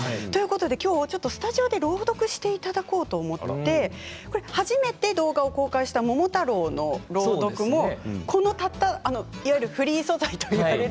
今日ちょっとスタジオで朗読していただこうと思って初めて動画を公開した「桃太郎」の朗読もこのいわゆるフリー素材といわれる。